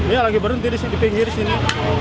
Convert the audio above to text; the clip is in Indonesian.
ya lagi berhenti di pinggir sini